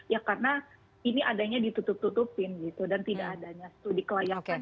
ya karena ini adanya ditutup tutupin gitu dan tidak adanya studi kelayakan